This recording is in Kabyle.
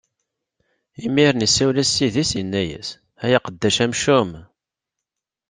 Imiren isawel-as ssid-is, inna-as: Ay aqeddac amcum!